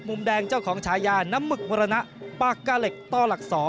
มุมแดงเจ้าของฉายาน้ำหมึกมรณะปากกาเหล็กต่อหลัก๒